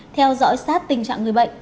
theo dõi sát tình trạng người bệnh